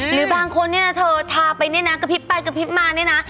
หรือบางคนเนี่ยนะเธอทาไปเนี่ยนะกระพริบไปกระพริบมาเนี่ยนะ